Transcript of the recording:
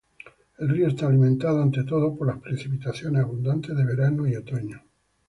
El río está alimentado ante todo por las precipitaciones abundantes de verano y otoño.